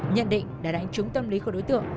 nhận định đã đánh trúng tâm lý của đối tượng